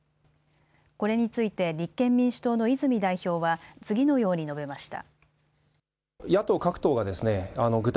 これについて立憲民主党の泉代表は次のように述べました。